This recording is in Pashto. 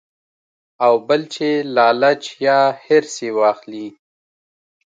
او بل چې لالچ يا حرص ئې واخلي -